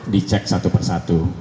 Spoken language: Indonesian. dicek satu persatu